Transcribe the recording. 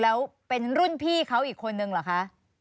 แล้วเป็นรุ่นพี่เขาอีกคนนึงเหรอคะ